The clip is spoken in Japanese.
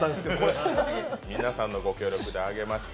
皆さんのご協力で揚げました。